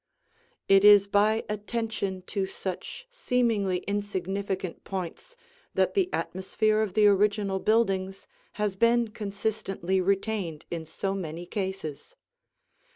It is by attention to such seemingly insignificant points that the atmosphere of the original buildings has been consistently retained in so many cases.